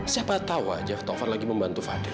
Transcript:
siapa tau aja taufan lagi membantu fadil